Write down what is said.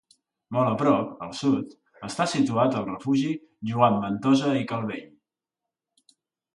Molt a prop, al sud, està situat el refugi Joan Ventosa i Calvell.